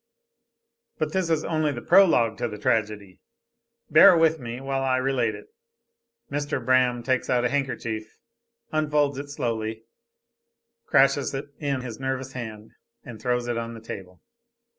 "But this is only the prologue to the tragedy. Bear with me while I relate it. (Mr. Braham takes out a handkerchief, unfolds it slowly; crashes it in his nervous hand, and throws it on the table).